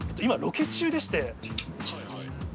今ロケ中でして。